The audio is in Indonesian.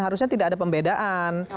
harusnya tidak ada pembedaan